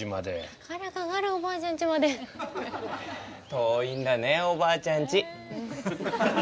遠いんだねおばあちゃんち。